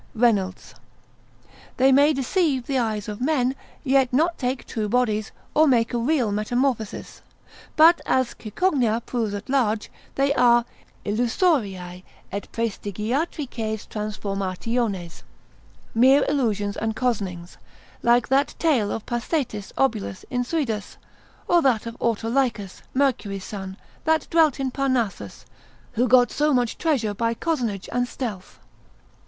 Reinolds Lect. 47. They may deceive the eyes of men, yet not take true bodies, or make a real metamorphosis; but as Cicogna proves at large, they are Illusoriae, et praestigiatrices transformationes, omnif. mag. lib. 4. cap. 4, mere illusions and cozenings, like that tale of Pasetis obulus in Suidas, or that of Autolicus, Mercury's son, that dwelt in Parnassus, who got so much treasure by cozenage and stealth.